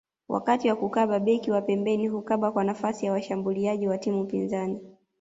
Wakati wa kukaba beki wa pembeni hukaba kwa nafasi ya washambuliaji wa timu pinzani